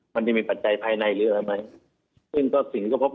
มันจะมีปัจจัยภายในหรือที่ออกมา